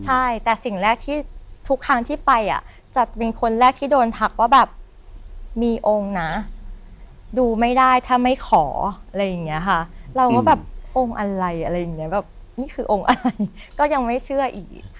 ใช่แต่สิ่งแรกที่ทุกครั้งที่ไปอ่ะจะเป็นคนแรกที่โดนทักว่าแบบมีองค์นะดูไม่ได้ถ้าไม่ขออะไรอย่างนี้ค่ะเราก็แบบองค์อะไรอะไรอย่างเงี้ยแบบนี่คือองค์อะไรก็ยังไม่เชื่ออีก